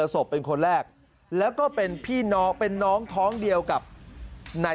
ศพเป็นคนแรกแล้วก็เป็นพี่น้องเป็นน้องท้องเดียวกับนาย